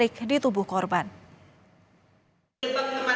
ini yang menjadi penyebab kematian dari korban